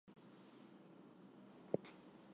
He served two separate terms in the United States Senate.